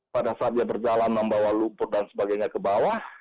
pada saat dia berjalan membawa lumpur dan sebagainya ke bawah